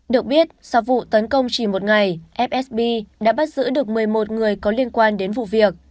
được biết sau vụ tấn công chỉ một ngày fsb đã bắt giữ được một mươi một người có liên quan đến vụ việc